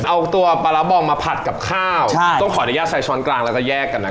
เอาตัวปลาร้าบองมาผัดกับข้าวต้องขออนุญาตใส่ช้อนกลางแล้วก็แยกกันนะคะ